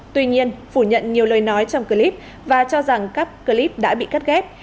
tuy nhiên phủ nhận nhiều lời nói trong clip và cho rằng các clip đã bị cắt ghép